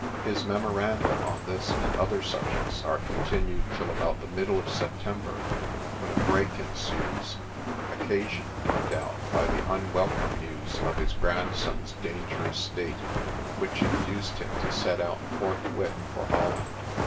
His memoranda on this and other subjects are continued till about the middle of September, when a break ensues, occasioned, no doubt, by the unwelcome news of his grandson's dangerous state, which induced him to set out forthwith for Holland.